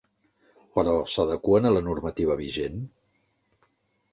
Però, s’adeqüen a la normativa vigent?